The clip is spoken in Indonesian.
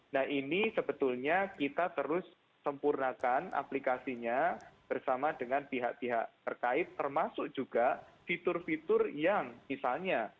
nah ini sebetulnya kita terus sempurnakan aplikasinya bersama dengan pihak pihak terkait termasuk juga fitur fitur yang misalnya